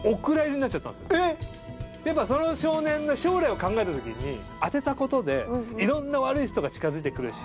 やっぱその少年の将来を考えたときに当てたことでいろんな悪い人が近づいてくるし。